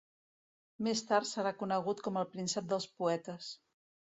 Més tard serà conegut com el "príncep dels poetes".